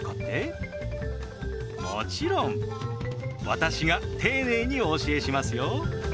もちろん私が丁寧にお教えしますよ。